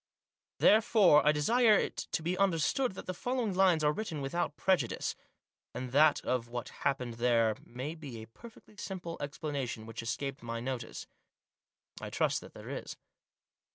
Therefore I desire it to be understood that the following lines are written without prejudice ; and that of what happened there may be a perfectly simple explanation which escaped my notice. I trust that there is.